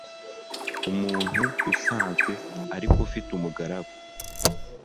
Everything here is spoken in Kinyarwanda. umuntu usanzwe ariko ufite umugaragu